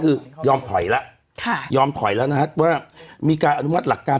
คือยอมถ่อยละยอมถ่อยเล่าน่ะว่ามีการอนุมาตรหลักการ